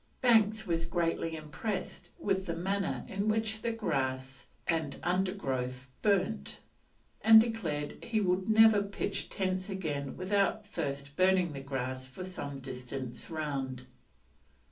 Banks was greatly impressed with the manner in which the grass and undergrowth burnt, and declared he would never pitch tents again without first burning the grass for some distance round.